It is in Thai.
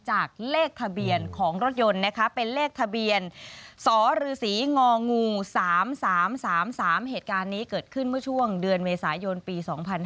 ๓เหตุการณ์นี้เกิดขึ้นเมื่อช่วงเดือนเวสายนปี๒๕๕๕